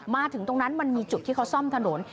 มาถึงตรงนั้นมันมีจุดที่เขาซ่อมถนน